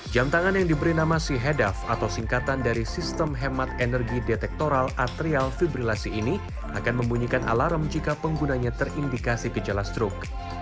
jam tangan yang diberi nama si hedav atau singkatan dari sistem hemat energi detektoral atrial fibrilasi ini akan membunyikan alarm jika penggunanya terindikasi gejala stroke